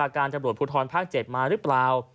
การจำรวจภูทรภาค๗มาหรือเปล่า